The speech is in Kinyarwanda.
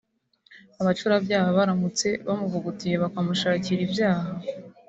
Abacurabyaha baramutse bamuvugutiye bakamushakira ibyaha